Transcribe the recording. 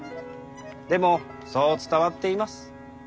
でもそう伝わっています。